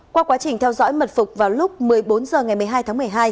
qua quá trình theo dõi mật phục vào lúc một mươi bốn h ngày một mươi hai tháng một mươi hai